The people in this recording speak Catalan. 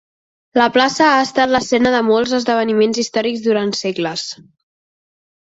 La plaça ha estat l"escena de molts esdeveniments històrics durant segles.